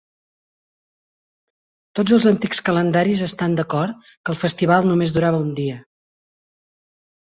Tots els antics calendaris estan d'acord que el festival només durava un dia.